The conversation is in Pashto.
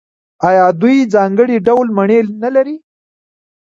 آیا دوی ځانګړي ډول مڼې نلري؟